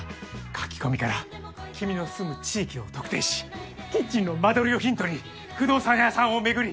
書き込みから君の住む地域を特定しキッチンの間取りをヒントに不動産屋さんを巡り